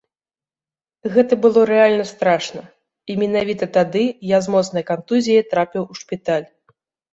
Гэта было рэальна страшна, і менавіта тады я з моцнай кантузіяй трапіў у шпіталь.